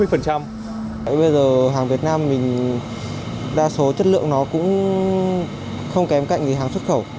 hàng việt nam mình đa số chất lượng nó cũng không kém cạnh hàng xuất khẩu